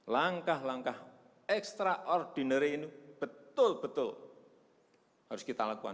langkah langkah ekstraordinary ini betul betul harus kita lakukan